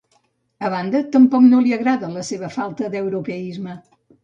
A banda, tampoc no li agrada ‘la seva falta d’europeisme’.